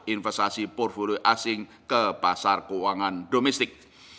investasi portfolio asing ke pasar keuangan domestik